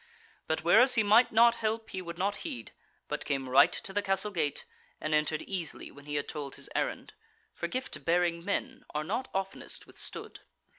But whereas he might not help he would not heed, but came right to the Castle gate, and entered easily when he had told his errand, for gift bearing men are not oftenest withstood.